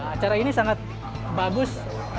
acara ini sangat bagus